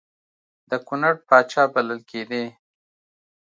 د کنړ پاچا بلل کېدی.